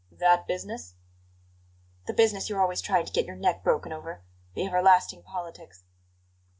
"'That' business?" "The business you're always trying to get your neck broken over the everlasting politics."